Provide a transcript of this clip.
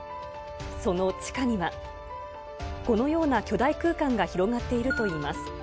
その地下には、このような巨大空間が広がっているといいます。